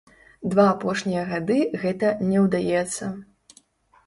Два апошнія гады гэта не ўдаецца.